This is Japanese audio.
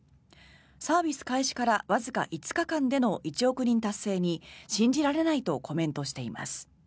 サービス開始からわずか５日間での１億人達成に信じられない！とコメントしています。